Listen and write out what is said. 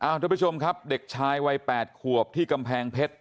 สวัสดีครับทุกคนครับเด็กชายวัย๘ขวบที่กำแพงเพชร